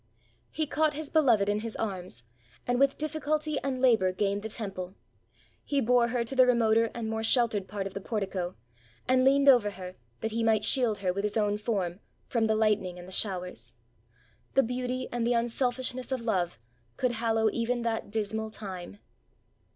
He caught his beloved in his arms, and with difficulty and labor gained the temple. He bore her to the remoter and more sheltered part of the portico, and leaned over her, that he might shield her, with his own form, from the hghtning and the showers! The beauty and the unselfishness of love could hallow even that dismal time!